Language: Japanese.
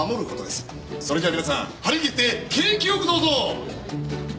それじゃあ皆さん張り切って景気よくどうぞ！